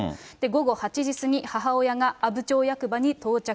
午後８時過ぎ、母親が阿武町役場に到着。